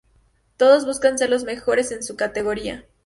Todos buscan ser los mejores en su categoría.